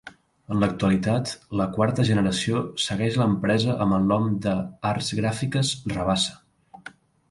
En l'actualitat, la quarta generació segueix l'empresa amb el nom d'Arts Gràfiques Rabassa.